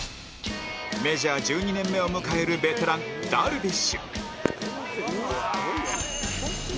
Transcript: メジャー１２年目を迎えるベテランダルビッシュ